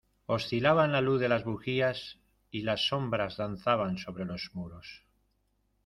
oscilaba la luz de las bujías, y las sombras danzaban sobre los muros.